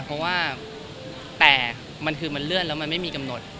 เพราะว่าแต่มันคือมันเลื่อนแล้วมันไม่มีกำหนด